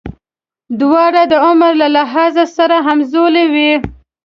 دواړه د عمر له لحاظه سره همزولي وو.